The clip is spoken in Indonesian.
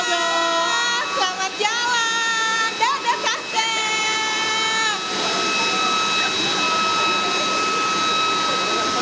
selamat jalan dadah sah sah